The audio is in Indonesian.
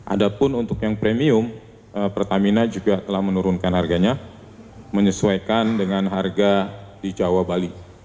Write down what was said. ada pun untuk yang premium pertamina juga telah menurunkan harganya menyesuaikan dengan harga di jawa bali